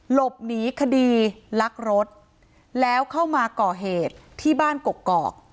หลบหนีคดีลักรถแล้วเข้ามาก่อเหตุที่บ้านกกอก